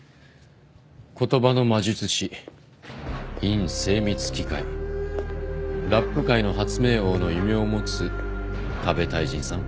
「言葉の魔術師」「韻精密機械」「ラップ界の発明王」の異名を持つＫＡＢＥ太人さん